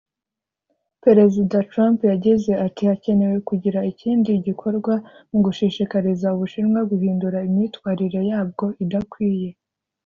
Perezida Trump yagize ati “Hakenewe kugira ikindi gikorwa mu gushishikariza u Bushinwa guhindura imyitwarire yabwo idakwiye